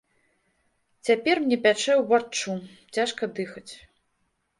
Цяпер мне пячэ ўваччу, цяжка дыхаць.